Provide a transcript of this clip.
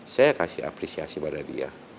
saya kasih apresiasi pada dia